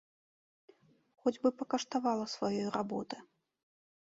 Хоць бы пакаштавала сваёй работы!